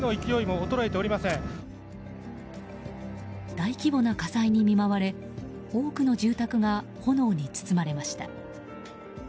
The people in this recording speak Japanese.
大規模な火災に見舞われ多くの住宅が炎に包まれました。